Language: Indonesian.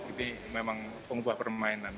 ini memang pengubah permainan